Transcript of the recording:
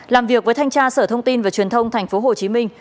làm việc với thanh tra sở thông tin và truyền thông tp hcm